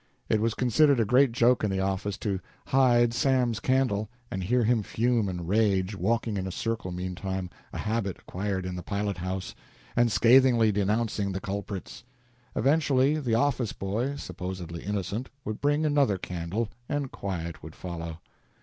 It was considered a great joke in the office to "hide Sam's candle" and hear him fume and rage, walking in a circle meantime a habit acquired in the pilothouse and scathingly denouncing the culprits. Eventually the office boy, supposedly innocent, would bring another candle, and quiet would follow.